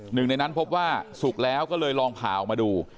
หนึ่งในนั้นพบว่าสุกแล้วก็เลยลองผ่าออกมาดู